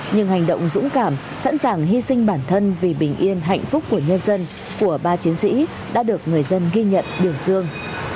nhưng hành động dũng cảm sẵn sàng hy sinh bản thân vì bình yên hạnh phúc của nhân dân của ba chiến sĩ đã được người dân ghi nhận biểu dương